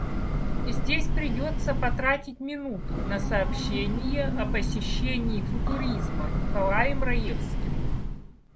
Здесь придётся потратить минуту на сообщение о посещении футуризма Николаем Раевским.